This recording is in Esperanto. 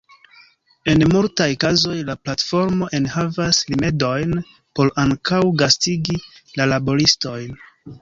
En multaj kazoj, la platformo enhavas rimedojn por ankaŭ gastigi la laboristojn.